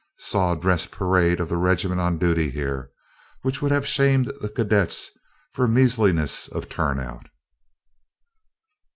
Saw a dress parade of the regiment on duty here, which would have shamed the cadets for measliness of turnout.